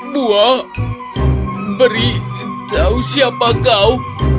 dua beri tahu siapa kau